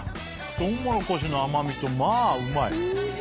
トウモロコシの甘みとまぁうまい。